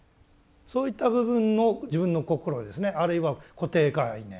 そういった部分の自分の心をですねあるいは固定概念